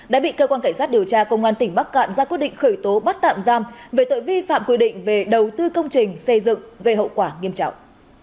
đã bị cơ quan cảnh sát điều tra công an tỉnh bắc cạn ra quyết định khởi tố bắt tạm giam về tội vi phạm quy định về đầu tư công trình xây dựng gây hậu quả nghiêm trọng